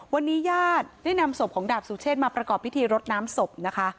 วันนี้ญาติได้นำศพของดาบสุเชษมาประกอบพิธีรดน้ำศพนะคะ